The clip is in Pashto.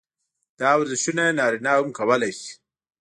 دا ورزشونه نارينه هم کولے شي -